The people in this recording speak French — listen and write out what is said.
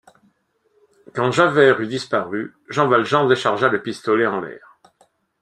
Quand Javert eut disparu, Jean Valjean déchargea le pistolet en l’air.